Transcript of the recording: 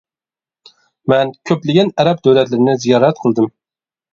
مەن كۆپلىگەن ئەرەب دۆلەتلىرىنى زىيارەت قىلدىم.